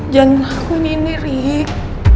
jangan lakuin ini rik